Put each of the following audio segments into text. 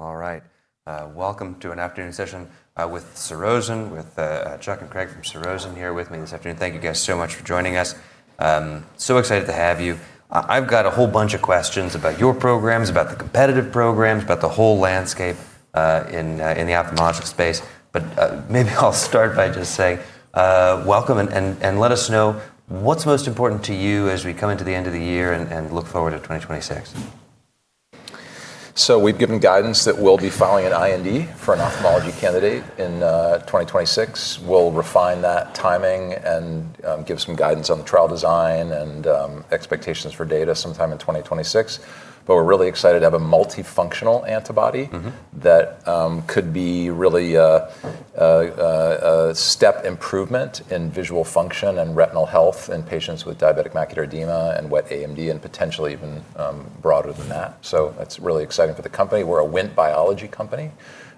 All right. Welcome to an afternoon session with Surrozen, with Chuck and Craig from Surrozen here with me this afternoon. Thank you guys so much for joining us. So excited to have you. I've got a whole bunch of questions about your programs, about the competitive programs, about the whole landscape in the ophthalmologic space. But maybe I'll start by just saying welcome, and let us know what's most important to you as we come into the end of the year and look forward to 2026. So we've given guidance that we'll be filing an IND for an ophthalmology candidate in 2026. We'll refine that timing and give some guidance on the trial design and expectations for data sometime in 2026. But we're really excited to have a multifunctional antibody that could be really a step improvement in visual function and retinal health in patients with diabetic macular edema and wet AMD, and potentially even broader than that. So that's really exciting for the company. We're a Wnt biology company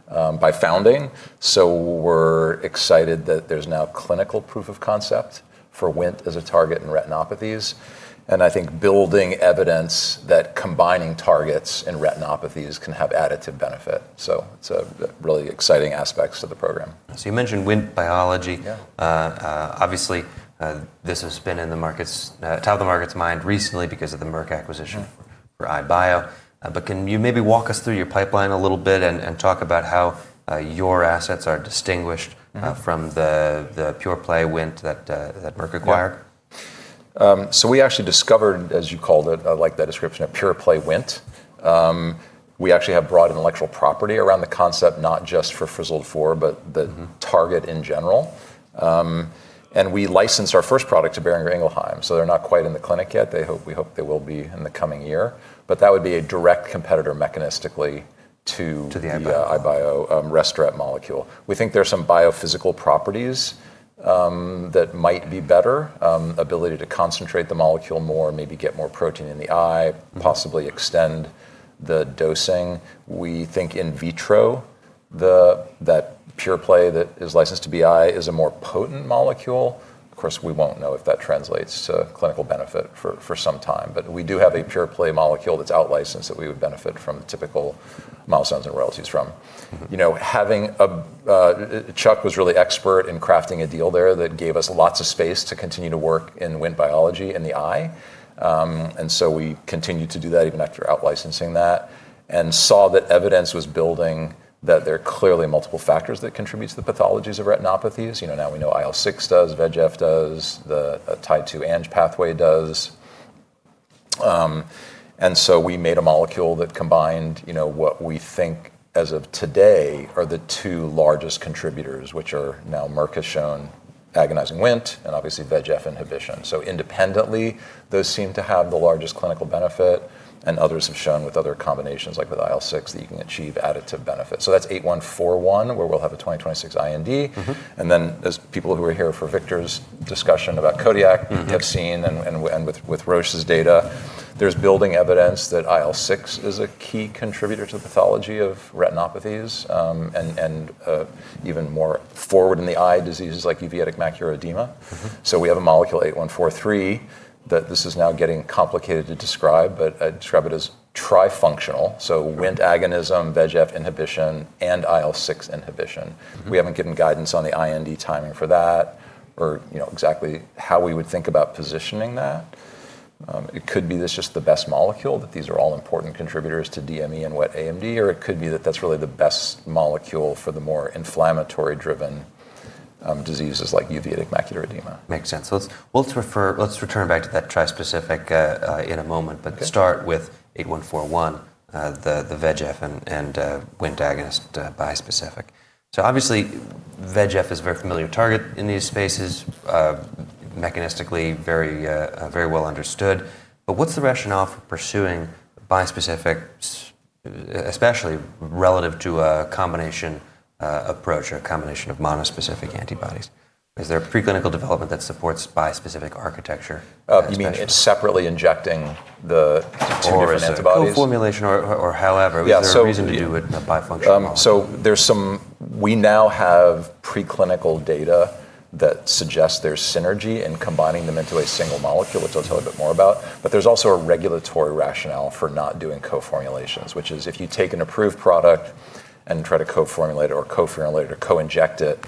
by founding. So we're excited that there's now clinical proof of concept for Wnt as a target in retinopathies. And I think building evidence that combining targets in retinopathies can have additive benefit. So it's a really exciting aspect of the program. So you mentioned Wnt biology. Obviously, this has been top of mind recently because of the Merck acquisition of EyeBio. But can you maybe walk us through your pipeline a little bit and talk about how your assets are distinguished from the pure-play Wnt that Merck acquired? So we actually discovered, as you called it, like the description of pure play Wnt. We actually have broad intellectual property around the concept, not just for Frizzled 4, but the target in general, and we licensed our first product to Boehringer Ingelheim, so they're not quite in the clinic yet. We hope they will be in the coming year, but that would be a direct competitor mechanistically to EyeBio, Restoret molecule. We think there are some biophysical properties that might be better, ability to concentrate the molecule more, maybe get more protein in the eye, possibly extend the dosing. We think in vitro that pure play that is licensed to BI is a more potent molecule. Of course, we won't know if that translates to clinical benefit for some time, but we do have a pure play molecule that's out licensed that we would benefit from typical milestones and royalties from. You know, having Chuck was really expert in crafting a deal there that gave us lots of space to continue to work in Wnt biology in the eye. And so we continued to do that even after out-licensing that and saw that evidence was building that there are clearly multiple factors that contribute to the pathologies of retinopathies. You know, now we know IL-6 does, VEGF does, the Tie2-Ang pathway does. And so we made a molecule that combined what we think as of today are the two largest contributors, which are now Merck has shown agonizing Wnt and obviously VEGF inhibition. So independently, those seem to have the largest clinical benefit. And others have shown with other combinations like with IL-6 that you can achieve additive benefit. So that's SZN-8141, where we'll have a 2026 IND. And then as people who are here for Victor's discussion about Kodiak have seen, and with Roche's data, there's building evidence that IL-6 is a key contributor to the pathology of retinopathies and even more forward in the eye diseases like uveitic macular edema. So we have a molecule 8143 that this is now getting complicated to describe, but I describe it as trifunctional. So Wnt agonism, VEGF inhibition, and IL-6 inhibition. We haven't given guidance on the IND timing for that or exactly how we would think about positioning that. It could be this is just the best molecule, that these are all important contributors to DME and wet AMD, or it could be that that's really the best molecule for the more inflammatory driven diseases like uveitic macular edema. Makes sense. Let's return back to that trispecific in a moment, but start with SZN-8141, the VEGF and Wnt agonist bispecific. So obviously, VEGF is a very familiar target in these spaces, mechanistically very well understood. But what's the rationale for pursuing bispecific, especially relative to a combination approach or a combination of monospecific antibodies? Is there a preclinical development that supports bispecific architecture? You mean it's separately injecting the tumor antibodies? Co-formulation or however, there's a reason to do it in a bifunctional way. So, we now have preclinical data that suggests there's synergy in combining them into a single molecule, which I'll tell you a bit more about. But there's also a regulatory rationale for not doing co-formulations, which is if you take an approved product and try to co-formulate it or co-inject it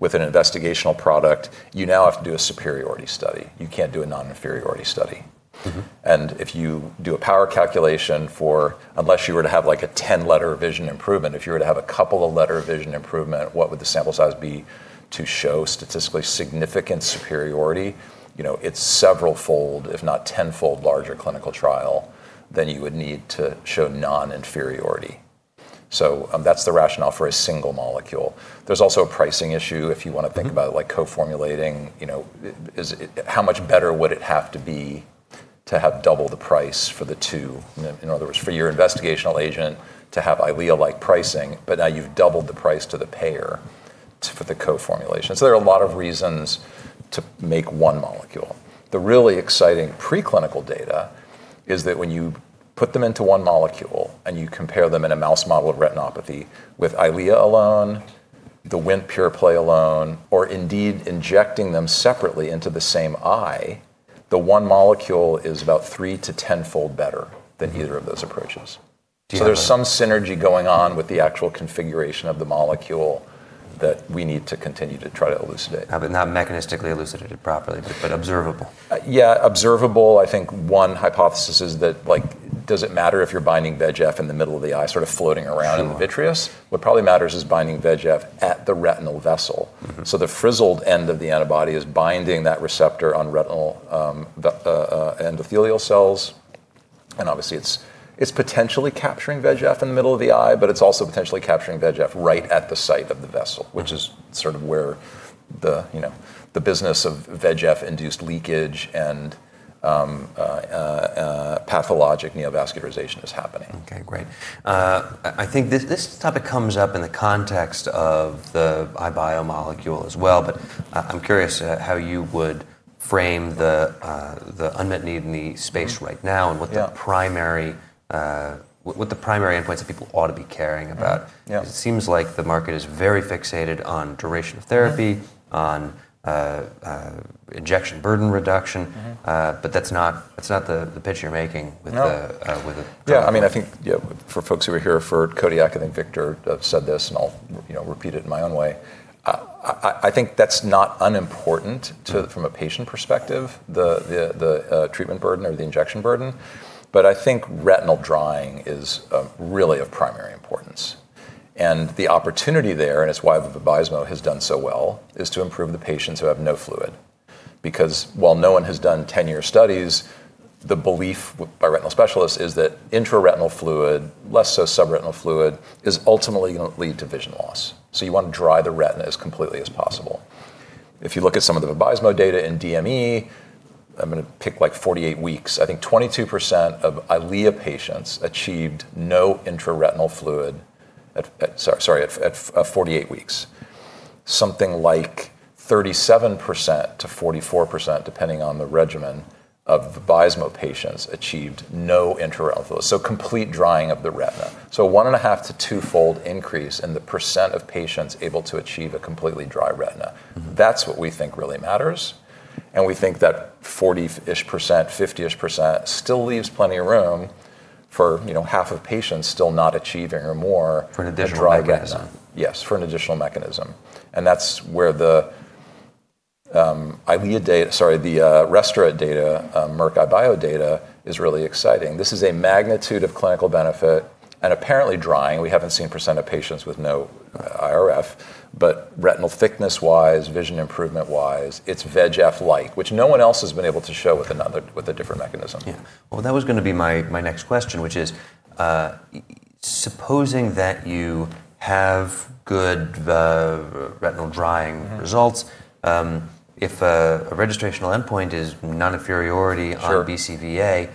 with an investigational product, you now have to do a superiority study. You can't do a non-inferiority study. And if you do a power calculation for unless you were to have like a 10-letter vision improvement, if you were to have a couple of letter vision improvement, what would the sample size be to show statistically significant superiority? You know, it's several-fold, if not ten-fold larger clinical trial than you would need to show non-inferiority. So that's the rationale for a single molecule. There's also a pricing issue if you want to think about like co-formulating. How much better would it have to be to have double the price for the two, in other words, for your investigational agent to have Eylea-like pricing, but now you've doubled the price to the payer for the co-formulation, so there are a lot of reasons to make one molecule. The really exciting preclinical data is that when you put them into one molecule and you compare them in a mouse model of retinopathy with Eylea alone, the Wnt pure play alone, or indeed injecting them separately into the same eye, the one molecule is about three to ten-fold better than either of those approaches, so there's some synergy going on with the actual configuration of the molecule that we need to continue to try to elucidate. Not mechanistically elucidated properly, but observable. Yeah, observable. I think one hypothesis is that like, does it matter if you're binding VEGF in the middle of the eye, sort of floating around in the vitreous? What probably matters is binding VEGF at the retinal vessel. So the Frizzled end of the antibody is binding that receptor on retinal endothelial cells. And obviously, it's potentially capturing VEGF in the middle of the eye, but it's also potentially capturing VEGF right at the site of the vessel, which is sort of where the business of VEGF-induced leakage and pathologic neovascularization is happening. Okay, great. I think this topic comes up in the context of the EyeBio molecule as well, but I'm curious how you would frame the unmet need in the space right now and what the primary endpoints that people ought to be caring about. It seems like the market is very fixated on duration of therapy, on injection burden reduction, but that's not the pitch you're making with the. Yeah, I mean, I think for folks who are here for Kodiak, I think Victor said this and I'll repeat it in my own way. I think that's not unimportant from a patient perspective, the treatment burden or the injection burden. But I think retinal drying is really of primary importance. And the opportunity there, and it's why the Vabysmo has done so well, is to improve the patients who have no fluid. Because while no one has done 10-year studies, the belief by retinal specialists is that intraretinal fluid, less so subretinal fluid, is ultimately going to lead to vision loss. So you want to dry the retina as completely as possible. If you look at some of the Vabysmo data in DME, I'm going to pick like 48 weeks. I think 22% of Eylea patients achieved no intraretinal fluid, sorry, at 48 weeks. Something like 37%-44%, depending on the regimen of the Vabysmo patients, achieved no intraretinal fluid. Complete drying of the retina. One and a half to twofold increase in the percent of patients able to achieve a completely dry retina. That's what we think really matters. We think that 40-ish%, 50-ish% still leaves plenty of room for half of patients still not achieving or more. For an additional mechanism. Yes, for an additional mechanism. And that's where the Eylea data, sorry, the Restoret data, Merck EyeBio data is really exciting. This is a magnitude of clinical benefit. And apparently drying, we haven't seen a percent of patients with no IRF, but retinal thickness-wise, vision improvement-wise, it's VEGF-like, which no one else has been able to show with a different mechanism. Yeah. Well, that was going to be my next question, which is supposing that you have good retinal drying results, if a registrational endpoint is non-inferiority on BCVA,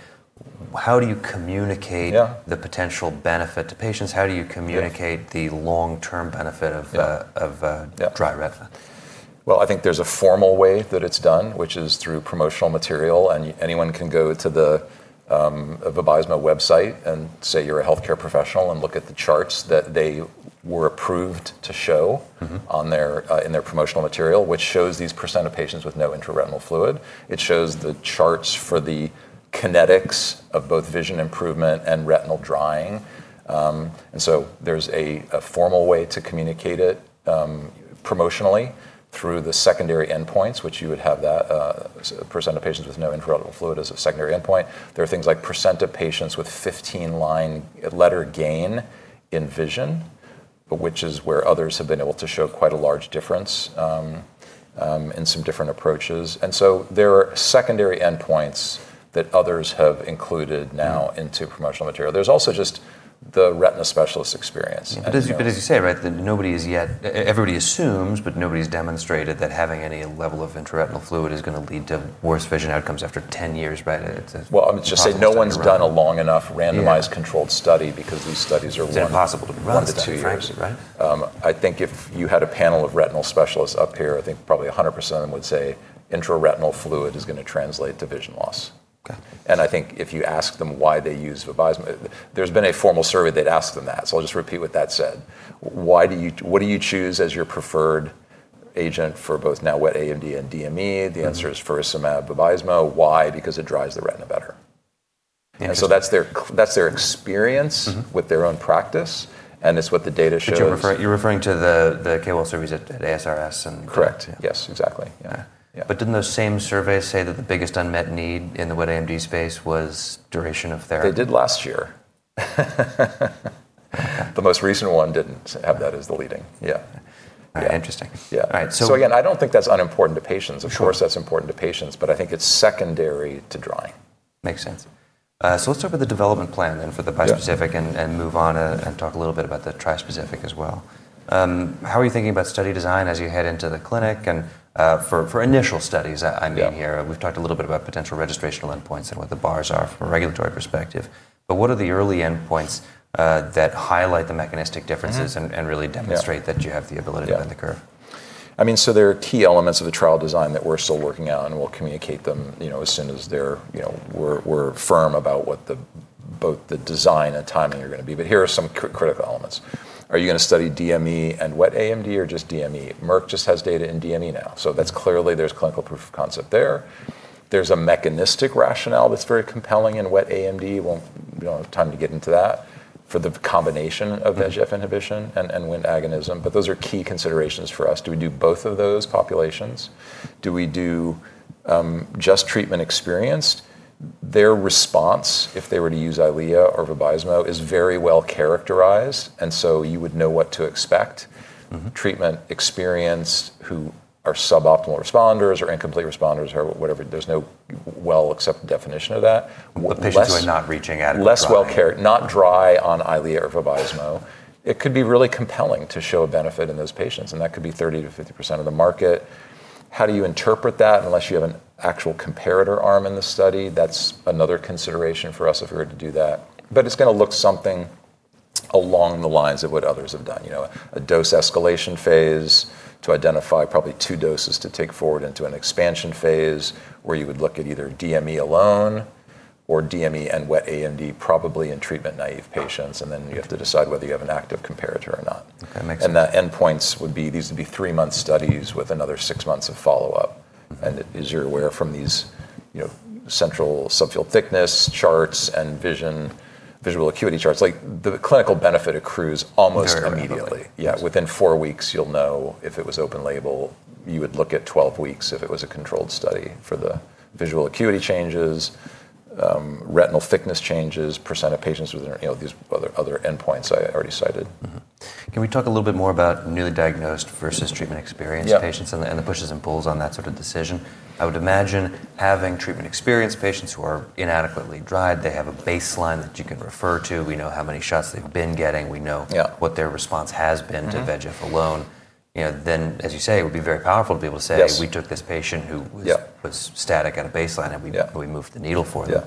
how do you communicate the potential benefit to patients? How do you communicate the long-term benefit of dry retina? I think there's a formal way that it's done, which is through promotional material. And anyone can go to the Vabysmo website and say you're a healthcare professional and look at the charts that they were approved to show in their promotional material, which shows these percent of patients with no intraretinal fluid. It shows the charts for the kinetics of both vision improvement and retinal drying. And so there's a formal way to communicate it promotionally through the secondary endpoints, which you would have that percent of patients with no intraretinal fluid as a secondary endpoint. There are things like percent of patients with 15-line letter gain in vision, which is where others have been able to show quite a large difference in some different approaches. And so there are secondary endpoints that others have included now into promotional material. There's also just the retina specialist experience. But as you say, right, everybody assumes, but nobody's demonstrated that having any level of intraretinal fluid is going to lead to worse vision outcomes after 10 years, right? I'm just saying no one's done a long enough randomized controlled study because these studies are run to two years. I think if you had a panel of retinal specialists up here, I think probably 100% of them would say intraretinal fluid is going to translate to vision loss. I think if you ask them why they use Vabysmo, there's been a formal survey that asked them that. I'll just repeat what that said. What do you choose as your preferred agent for both now wet AMD and DME? The answer is faricimab, Vabysmo. Why? Because it dries the retina better. That's their experience with their own practice. It's what the data shows. You're referring to the KOL surveys at ASRS and. Correct. Yes, exactly. Yeah. But didn't those same surveys say that the biggest unmet need in the wet AMD space was duration of therapy? They did last year. The most recent one didn't have that as the leading. Yeah. Interesting. Yeah. So again, I don't think that's unimportant to patients. Of course, that's important to patients, but I think it's secondary to drying. Makes sense. So let's talk about the development plan then for the bispecific and move on and talk a little bit about the trispecific as well. How are you thinking about study design as you head into the clinic? And for initial studies, I mean here, we've talked a little bit about potential registrational endpoints and what the bars are from a regulatory perspective. But what are the early endpoints that highlight the mechanistic differences and really demonstrate that you have the ability to bend the curve? I mean, so there are key elements of the trial design that we're still working on and we'll communicate them as soon as we're firm about what both the design and timing are going to be. But here are some critical elements. Are you going to study DME and wet AMD or just DME? Merck just has data in DME now. So that's clearly there's clinical proof of concept there. There's a mechanistic rationale that's very compelling in wet AMD. We don't have time to get into that for the combination of VEGF inhibition and Wnt agonism. But those are key considerations for us. Do we do both of those populations? Do we do just treatment experienced? Their response, if they were to use Eylea or Vabysmo, is very well characterized. And so you would know what to expect. Treatment experienced who are suboptimal responders or incomplete responders or whatever. There's no well-accepted definition of that. What patients are not reaching at? Less well cared, not dry on Eylea or Vabysmo. It could be really compelling to show a benefit in those patients. And that could be 30%-50% of the market. How do you interpret that unless you have an actual comparator arm in the study? That's another consideration for us if we were to do that. But it's going to look something along the lines of what others have done. A dose escalation phase to identify probably two doses to take forward into an expansion phase where you would look at either DME alone or DME and wet AMD, probably in treatment naive patients. And then you have to decide whether you have an active comparator or not. And the endpoints would be. These would be three months studies with another six months of follow-up. As you're aware from these central subfield thickness charts and visual acuity charts, like the clinical benefit accrues almost immediately. Yeah, within four weeks, you'll know if it was open label. You would look at 12 weeks if it was a controlled study for the visual acuity changes, retinal thickness changes, percent of patients with these other endpoints I already cited. Can we talk a little bit more about newly diagnosed versus treatment experienced patients and the pushes and pulls on that sort of decision? I would imagine having treatment experienced patients who are inadequately dried, they have a baseline that you can refer to. We know how many shots they've been getting. We know what their response has been to VEGF alone. Then, as you say, it would be very powerful to be able to say, we took this patient who was static at a baseline and we moved the needle for them.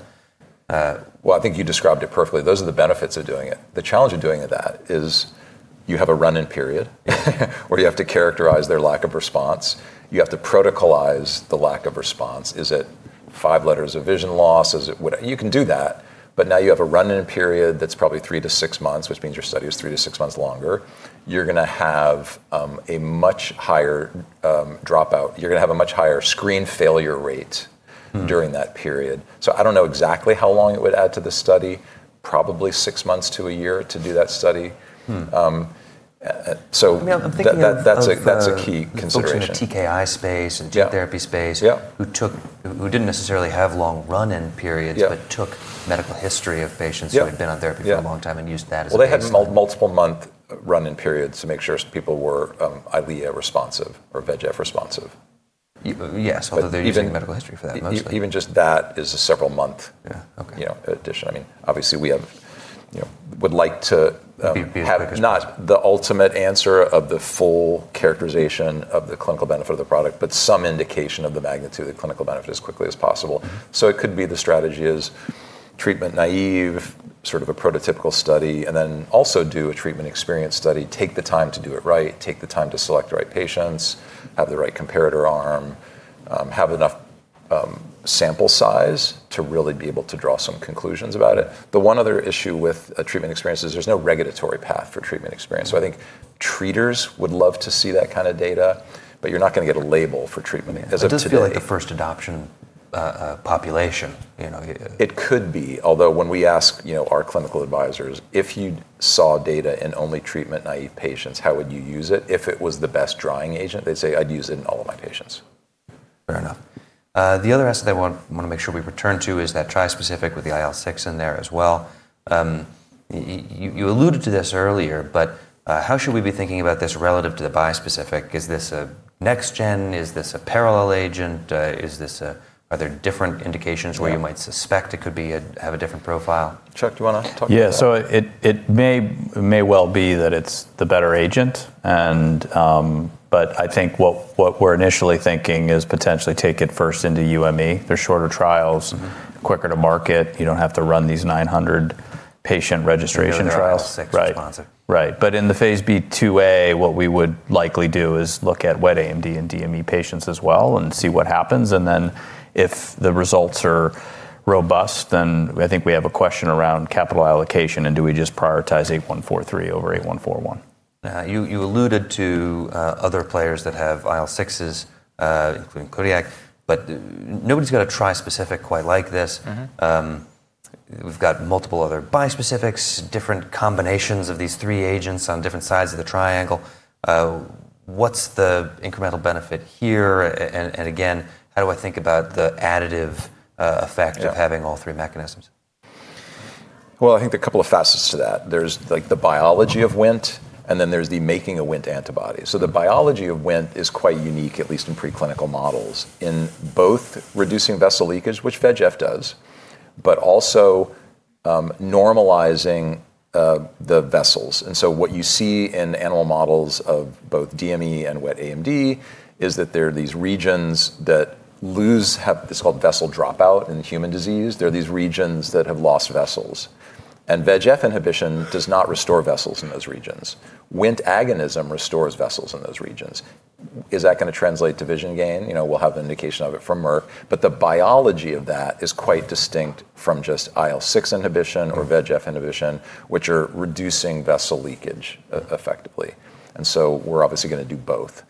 I think you described it perfectly. Those are the benefits of doing it. The challenge of doing that is you have a run-in period where you have to characterize their lack of response. You have to protocolize the lack of response. Is it five letters of vision loss? You can do that. But now you have a run-in period that's probably three to six months, which means your study is three to six months longer. You're going to have a much higher dropout. You're going to have a much higher screen failure rate during that period. So I don't know exactly how long it would add to the study, probably six months to a year to do that study. So that's a key consideration. Folks in the TKI space and gene therapy space who didn't necessarily have long run-in periods, but took medical history of patients who had been on therapy for a long time and used that as a base. They had multiple-month run-in periods to make sure people were Eylea responsive or VEGF responsive. Yes, although they didn't take medical history for that mostly. Even just that is a several month addition. I mean, obviously we would like to have not the ultimate answer of the full characterization of the clinical benefit of the product, but some indication of the magnitude of the clinical benefit as quickly as possible. So it could be the strategy is treatment naive, sort of a prototypical study, and then also do a treatment experience study, take the time to do it right, take the time to select the right patients, have the right comparator arm, have enough sample size to really be able to draw some conclusions about it. The one other issue with a treatment experience is there's no regulatory path for treatment experience. So I think treaters would love to see that kind of data, but you're not going to get a label for treatment. It doesn't feel like the first adoption population. It could be, although when we ask our clinical advisors, if you saw data in only treatment naive patients, how would you use it? If it was the best drying agent, they'd say I'd use it in all of my patients. Fair enough. The other aspect I want to make sure we return to is that trispecific with the IL-6 in there as well. You alluded to this earlier, but how should we be thinking about this relative to the bispecific? Is this a next-gen? Is this a parallel agent? Are there different indications where you might suspect it could have a different profile? Chuck, do you want to talk about that? Yeah, so it may well be that it's the better agent. But I think what we're initially thinking is potentially take it first into UME. They're shorter trials, quicker to market. You don't have to run these 900 patient registration trials. Right. Right. But in the phase 2a, what we would likely do is look at wet AMD and DME patients as well and see what happens. And then if the results are robust, then I think we have a question around capital allocation and do we just prioritize 8143 over SZN-8141? You alluded to other players that have IL-6s, including Kodiak, but nobody's got a trispecific quite like this. We've got multiple other bispecifics, different combinations of these three agents on different sides of the triangle. What's the incremental benefit here? And again, how do I think about the additive effect of having all three mechanisms? I think there are a couple of facets to that. There's the biology of Wnt, and then there's the making of Wnt antibodies. The biology of Wnt is quite unique, at least in preclinical models, in both reducing vessel leakage, which VEGF does, but also normalizing the vessels. What you see in animal models of both DME and wet AMD is that there are these regions that lose, it's called vessel dropout in human disease. There are these regions that have lost vessels. And VEGF inhibition does not restore vessels in those regions. Wnt agonism restores vessels in those regions. Is that going to translate to vision gain? We'll have an indication of it from Merck. The biology of that is quite distinct from just IL-6 inhibition or VEGF inhibition, which are reducing vessel leakage effectively. We're obviously going to do both.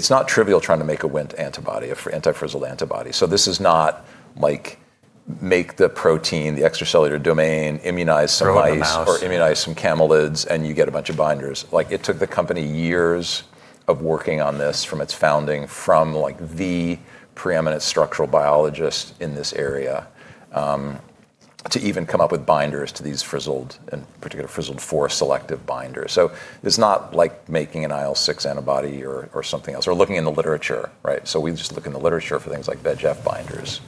It's not trivial trying to make a Wnt antibody, anti-Frizzled antibody. So this is not like make the protein, the extracellular domain, immunize some mice or immunize some camelids and you get a bunch of binders. It took the company years of working on this from its founding, from the preeminent structural biologist in this area to even come up with binders to these Frizzled, in particular Frizzled 4 selective binders. So it's not like making an IL-6 antibody or something else or looking in the literature. So we just look in the literature for things like VEGF binders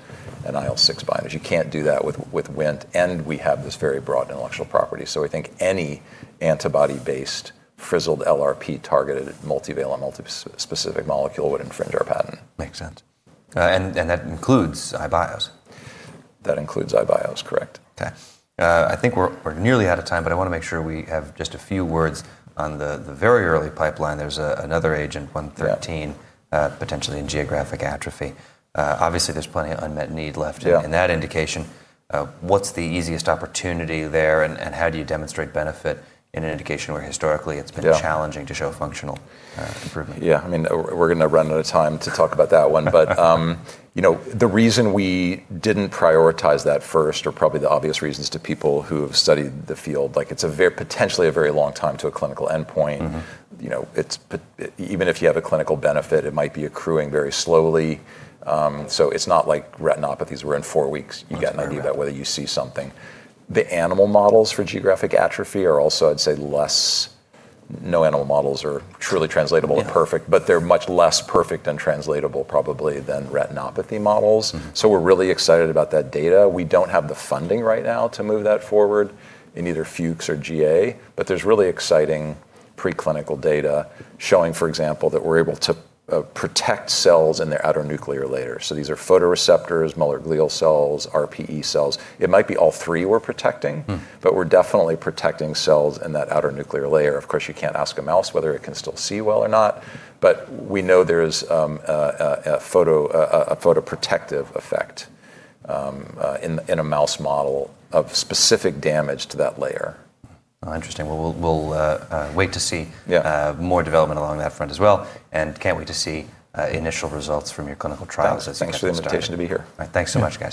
and IL-6 binders. You can't do that with Wnt. And we have this very broad intellectual property. So I think any antibody-based Frizzled LRP targeted multi-valent multi-specific molecule would infringe our patent. Makes sense. That includes EyeBio's. That includes EyeBio's, correct? Okay. I think we're nearly out of time, but I want to make sure we have just a few words on the very early pipeline. There's another agent, SZN-113, potentially in geographic atrophy. Obviously, there's plenty of unmet need left in that indication. What's the easiest opportunity there and how do you demonstrate benefit in an indication where historically it's been challenging to show functional improvement? Yeah, I mean, we're going to run out of time to talk about that one. But the reason we didn't prioritize that first are probably the obvious reasons to people who have studied the field. It's potentially a very long time to a clinical endpoint. Even if you have a clinical benefit, it might be accruing very slowly. So it's not like retinopathies where in four weeks you get an idea about whether you see something. The animal models for geographic atrophy are also, I'd say, less. No animal models are truly translatable and perfect, but they're much less perfect and translatable probably than retinopathy models. So we're really excited about that data. We don't have the funding right now to move that forward in either Fuchs or GA, but there's really exciting preclinical data showing, for example, that we're able to protect cells in their outer nuclear layer. These are photoreceptors, Müller glial cells, RPE cells. It might be all three we're protecting, but we're definitely protecting cells in that outer nuclear layer. Of course, you can't ask a mouse whether it can still see well or not, but we know there's a photoprotective effect in a mouse model of specific damage to that layer. Interesting. Well, we'll wait to see more development along that front as well. And can't wait to see initial results from your clinical trials. Thanks for the invitation to be here. Thanks so much, Chuck.